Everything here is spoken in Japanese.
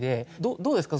どうですか？